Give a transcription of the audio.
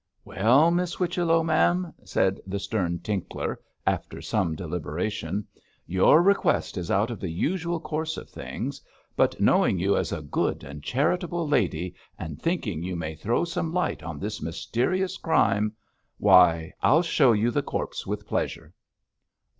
'Well, Miss Whichello, ma'am,' said the stern Tinkler, after some deliberation, 'your request is out of the usual course of things; but knowing you as a good and charitable lady, and thinking you may throw some light on this mysterious crime why, I'll show you the corpse with pleasure.'